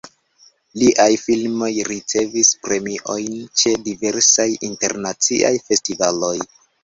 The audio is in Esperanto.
Liaj filmoj ricevis premiojn ĉe diversaj internaciaj festivaloj.